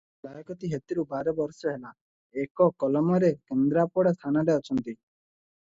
ଲାଏକତୀ ହେତୁରୁ ବାର ବରଷ ହେଲା ଏକ କଲମରେ କେନ୍ଦ୍ରାପଡ଼ା ଥାନାରେ ଅଛନ୍ତି ।